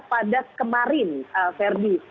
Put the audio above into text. pada kemarin ferdi